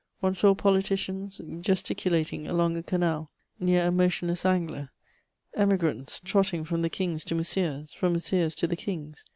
One saw politicians gesticulating along a canal, near a motionless angler, Emigrants trotting from the King's to "Monsieur's," from "Monsieur's" to the King's.